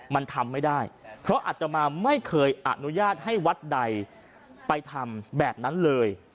มันทำไม่ได้เพราะอัตมาไม่เคยอนุญาตให้วัดใดไปทำแบบนั้นเลย